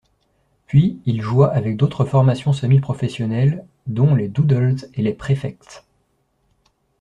Puis il joua avec d'autres formations semi-professionnelles, dont les Doodles et les Prefects.